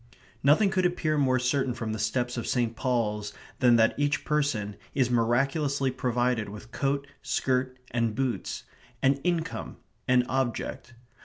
Nothing could appear more certain from the steps of St. Paul's than that each person is miraculously provided with coat, skirt, and boots; an income; an object.